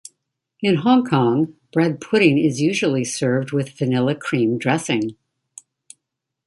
In Hong Kong, bread pudding is usually served with vanilla cream dressing.